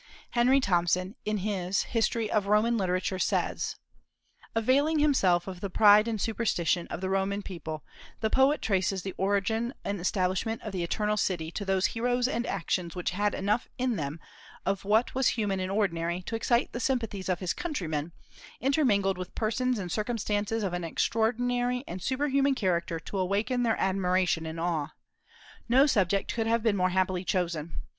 Henry Thompson, in his "History of Roman Literature," says: "Availing himself of the pride and superstition of the Roman people, the poet traces the origin and establishment of the 'Eternal City' to those heroes and actions which had enough in them of what was human and ordinary to excite the sympathies of his countrymen, intermingled with persons and circumstances of an extraordinary and superhuman character to awaken their admiration and awe. No subject could have been more happily chosen.